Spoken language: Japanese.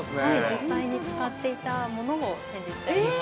◆実際に使っていたものを展示しております。